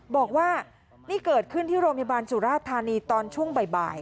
บอกว่านี่เกิดขึ้นที่โรงพยาบาลสุราธานีตอนช่วงบ่าย